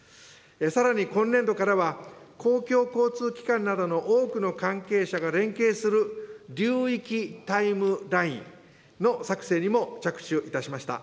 さらに今年度からは、公共交通機関などの多くの関係者が連携する流域タイムラインの作成にも着手いたしました。